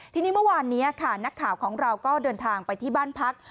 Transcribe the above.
ทีนี้เมื่อวานนี้ค่ะนักข่าวของเราก็เดินทางไปที่บ้านพัก